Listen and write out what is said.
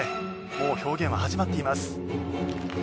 もう表現は始まっています。